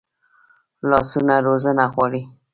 لاسونه روزنه غواړي